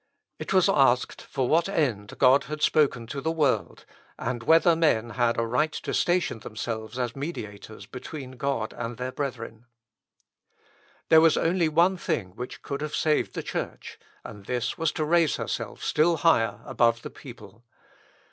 It was asked for what end God had spoken to the world, and whether men had a right to station themselves as mediators between God and their brethren. There was only one thing which could have saved the Church, and this was to raise herself still higher above the people.